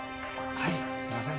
はいすいません。